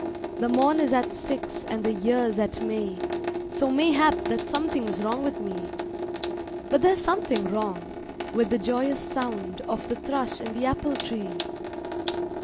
The morn is at six, and the year's at May, So mayhap that something is wrong with me. But there's something wrong, With the joyous song Of the thrush in the apple tree.